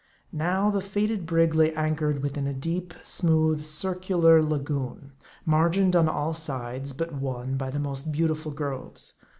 Now, the fated brig lay anchored within a deep, smooth, circular lagoon, margined on all sides but one by the most beautiful groves.